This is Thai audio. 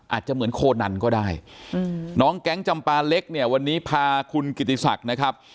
อาจจะเหมือนโคนันก็ได้น้องแก๊งจำปาเล็กเนี่ยวันนี้พาคุณกิติศักดิ์นะครับ